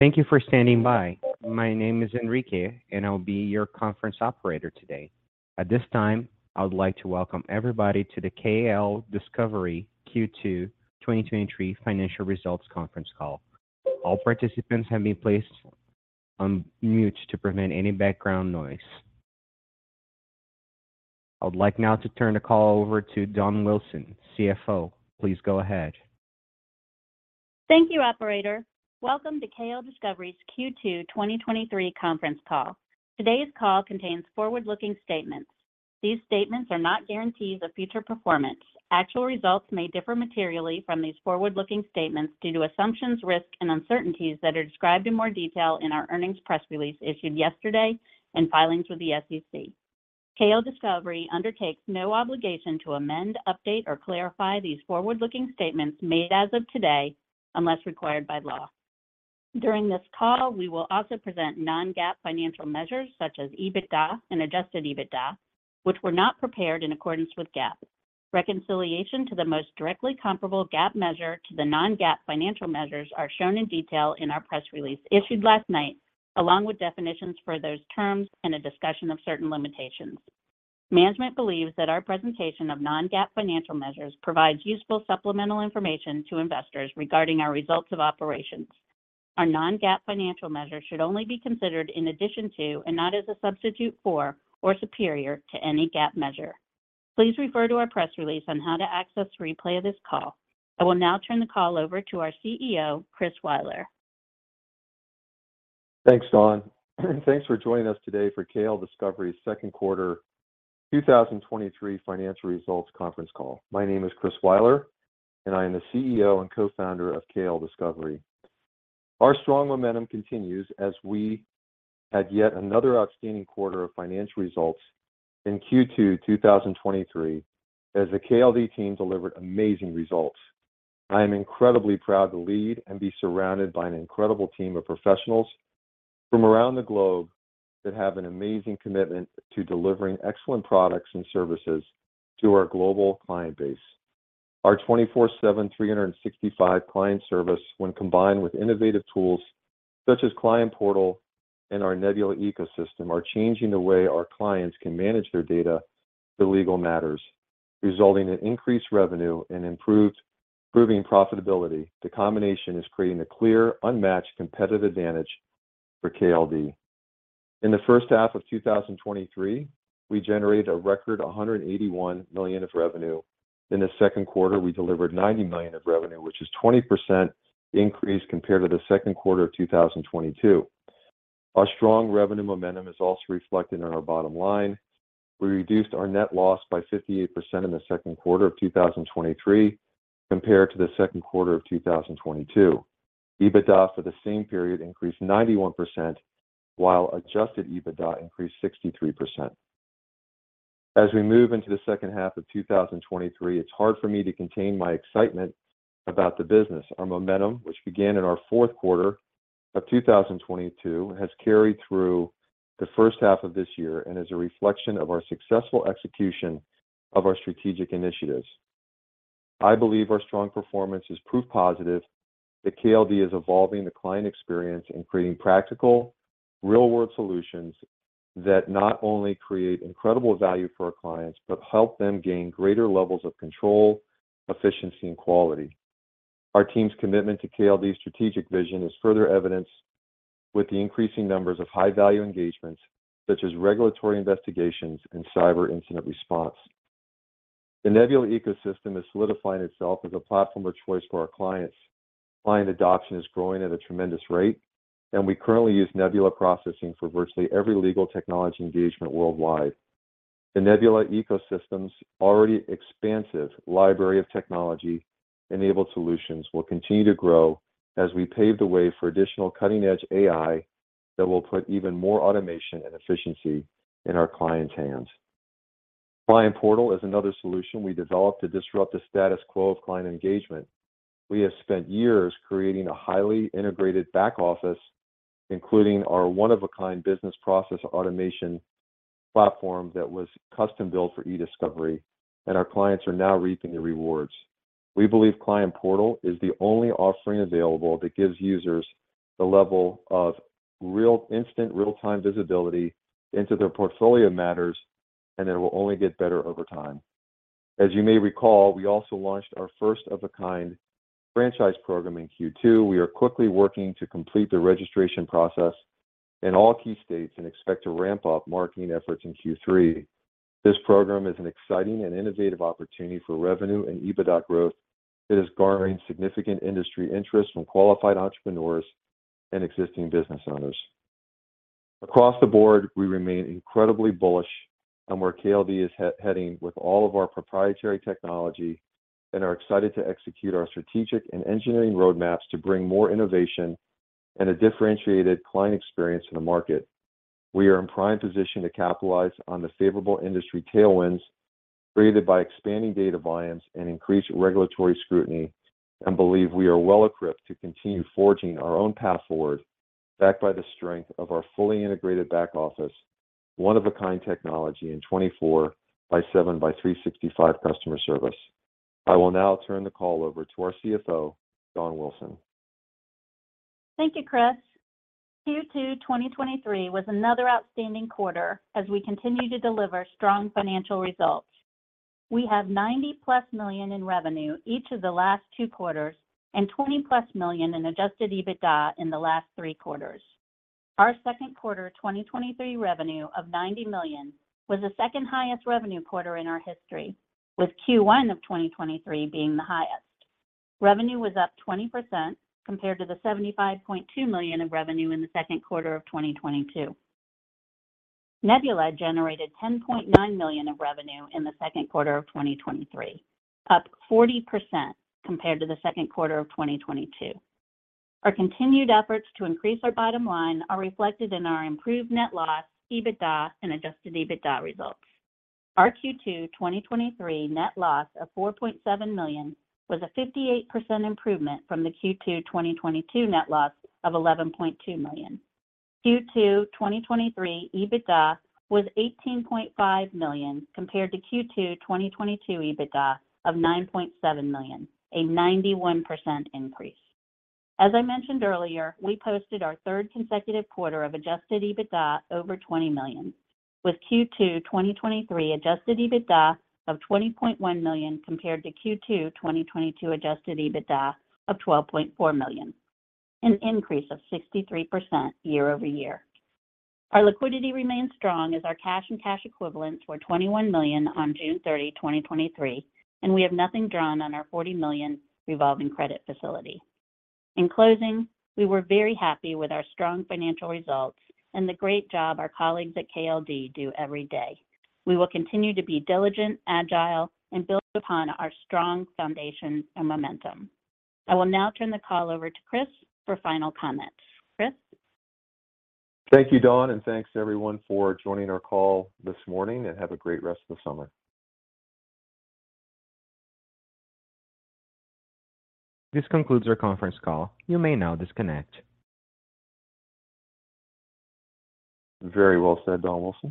Thank you for standing by. My name is Enrique. I will be your conference operator today. At this time, I would like to welcome everybody to the KLDiscovery Q2 2023 Financial Results Conference Call. All participants have been placed on mute to prevent any background noise. I would like now to turn the call over to Dawn Wilson, CFO. Please go ahead. Thank you, operator. Welcome to KLDiscovery's Q2 2023 conference call. Today's call contains forward-looking statements. These statements are not guarantees of future performance. Actual results may differ materially from these forward-looking statements due to assumptions, risks, and uncertainties that are described in more detail in our earnings press release issued yesterday and filings with the SEC. KLDiscovery undertakes no obligation to amend, update, or clarify these forward-looking statements made as of today, unless required by law. During this call, we will also present non-GAAP financial measures such as EBITDA and adjusted EBITDA, which were not prepared in accordance with GAAP. Reconciliation to the most directly comparable GAAP measure to the non-GAAP financial measures are shown in detail in our press release issued last night, along with definitions for those terms and a discussion of certain limitations. Management believes that our presentation of non-GAAP financial measures provides useful supplemental information to investors regarding our results of operations. Our non-GAAP financial measures should only be considered in addition to, and not as a substitute for or superior to, any GAAP measure. Please refer to our press release on how to access the replay of this call. I will now turn the call over to our CEO, Christopher Weiler. Thanks, Dawn. Thanks for joining us today for KLDiscovery's 2nd quarter, 2023 financial results conference call. My name is Chris Weiler, and I am the CEO and co-founder of KLDiscovery. Our strong momentum continues as we had yet another outstanding quarter of financial results in Q2, 2023, as the KLD team delivered amazing results. I am incredibly proud to lead and be surrounded by an incredible team of professionals from around the globe that have an amazing commitment to delivering excellent products and services to our global client base. Our 24/7, 365 client service, when combined with innovative tools such as Client Portal and our Nebula Ecosystem, are changing the way our clients can manage their data to legal matters, resulting in increased revenue and improving profitability. The combination is creating a clear, unmatched competitive advantage for KLD. In the first half of 2023, we generated a record $181 million of revenue. In the second quarter, we delivered $90 million of revenue, which is 20% increase compared to the second quarter of 2022. Our strong revenue momentum is also reflected in our bottom line. We reduced our net loss by 58% in the second quarter of 2023, compared to the second quarter of 2022. EBITDA for the same period increased 91%, while adjusted EBITDA increased 63%. As we move into the second half of 2023, it's hard for me to contain my excitement about the business. Our momentum, which began in our fourth quarter of 2022, has carried through the first half of this year and is a reflection of our successful execution of our strategic initiatives. I believe our strong performance is proof positive that KLD is evolving the client experience and creating practical, real-world solutions that not only create incredible value for our clients, but help them gain greater levels of control, efficiency, and quality. Our team's commitment to KLD's strategic vision is further evidenced with the increasing numbers of high-value engagements, such as regulatory investigations and cyber incident response. The Nebula Ecosystem is solidifying itself as a platform of choice for our clients. Client adoption is growing at a tremendous rate, we currently use Nebula processing for virtually every legal technology engagement worldwide. The Nebula Ecosystem's already expansive library of technology-enabled solutions will continue to grow as we pave the way for additional cutting-edge AI that will put even more automation and efficiency in our clients' hands. Client Portal is another solution we developed to disrupt the status quo of client engagement. We have spent years creating a highly integrated back office, including our one-of-a-kind business process automation platform that was custom-built for eDiscovery, and our clients are now reaping the rewards. We believe Client Portal is the only offering available that gives users the level of instant, real-time visibility into their portfolio matters, and it will only get better over time. As you may recall, we also launched our first-of-a-kind franchise program in Q2. We are quickly working to complete the registration process in all key states and expect to ramp up marketing efforts in Q3. This program is an exciting and innovative opportunity for revenue and EBITDA growth. It is garnering significant industry interest from qualified entrepreneurs and existing business owners. Across the board, we remain incredibly bullish on where KLD is heading with all of our proprietary technology and are excited to execute our strategic and engineering roadmaps to bring more innovation and a differentiated client experience in the market. We are in prime position to capitalize on the favorable industry tailwinds created by expanding data volumes and increased regulatory scrutiny, and believe we are well equipped to continue forging our own path forward, backed by the strength of our fully integrated back office, one-of-a-kind technology, and 24 by 7 by 365 customer service. I will now turn the call over to our CFO, Dawn Wilson. Thank you, Chris. Q2 2023 was another outstanding quarter as we continue to deliver strong financial results. We have $90+ million in revenue, each of the last two quarters, and $20+ million in adjusted EBITDA in the last three quarters. Our second quarter 2023 revenue of $90 million was the second highest revenue quarter in our history, with Q1 of 2023 being the highest. Revenue was up 20% compared to the $75.2 million of revenue in the second quarter of 2022. Nebula generated $10.9 million of revenue in the second quarter of 2023, up 40% compared to the second quarter of 2022. Our continued efforts to increase our bottom line are reflected in our improved net loss, EBITDA, and adjusted EBITDA results. Our Q2 2023 net loss of $4.7 million was a 58% improvement from the Q2 2022 net loss of $11.2 million. Q2 2023 EBITDA was $18.5 million, compared to Q2 2022 EBITDA of $9.7 million, a 91% increase. As I mentioned earlier, we posted our third consecutive quarter of adjusted EBITDA over $20 million, with Q2 2023 adjusted EBITDA of $20.1 million, compared to Q2 2022 adjusted EBITDA of $12.4 million, an increase of 63% year-over-year. Our liquidity remains strong as our cash and cash equivalents were $21 million on June 30, 2023, and we have nothing drawn on our $40 million revolving credit facility. In closing, we were very happy with our strong financial results and the great job our colleagues at KLD do every day. We will continue to be diligent, agile, and build upon our strong foundation and momentum. I will now turn the call over to Chris for final comments. Chris? Thank you, Dawn, and thanks to everyone for joining our call this morning, and have a great rest of the summer. This concludes our conference call. You may now disconnect. Very well said, Dawn Wilson.